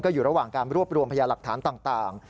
อยู่ระหว่างการรวบรวมพยาหลักฐานต่าง